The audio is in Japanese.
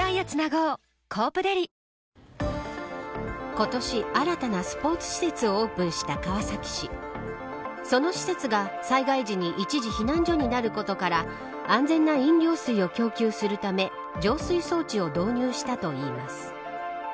今年、新たなスポーツ施設をオープンした川崎市その施設が災害時に一時避難所になることから安全な飲料水を供給するため浄水装置を導入したといいます。